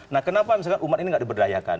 nah kenapa misalkan umat ini tidak diberdayakan